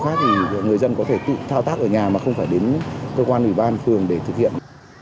các dịch vụ khác thì người dân có thể tự thao tác ở nhà mà không phải đến cơ quan ủy ban phường để thực hiện